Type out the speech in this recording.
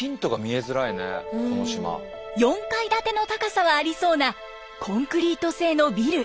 ４階建ての高さはありそうなコンクリート製のビル。